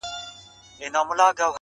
دا وطن به خپل مالک ته تسلمیږي!